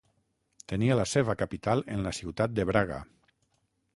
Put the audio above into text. Tenia la seva capital en la ciutat de Braga.